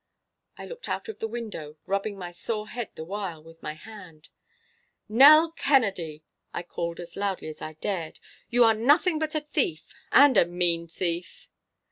I looked out of the window, rubbing my sore head the while with my hand. 'Nell Kennedy!' I called as loudly as I dared, 'you are nothing but a thief, and a mean thief!